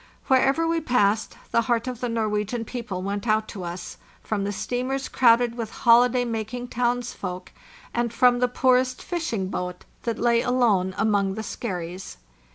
Wherever we passed, the heart of the Norwegian peo ple went out to us, from the steamers crowded with holi day making townsfolk, and from the poorest fishing boat that lay alone among the skerries.